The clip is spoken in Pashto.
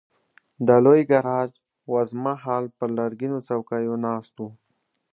د لوی ګاراج وزمه هال پر لرګینو څوکیو ناست وو.